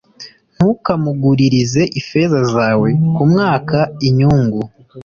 Ntukamuguririze ifeza zawe kumwaka inyungu